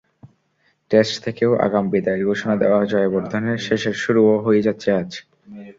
Test থেকেও আগাম বিদায়ের ঘোষণা দেওয়া জয়াবর্ধনের শেষের শুরুও হয়ে যাচ্ছে আজ।